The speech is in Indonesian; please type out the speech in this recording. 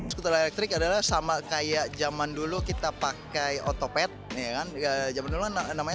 skuter elektrik adalah sama kayak zaman dulu kita pakai